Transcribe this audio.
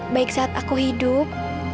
baik saat aku hidup